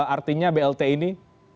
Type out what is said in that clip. artinya blt ini